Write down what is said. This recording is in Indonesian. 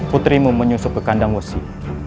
putrimu menyusup ke kandang musi